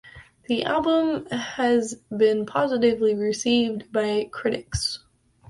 The album has been positively received by critics.